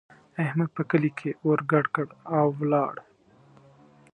احمد په کلي کې اور ګډ کړ او ولاړ.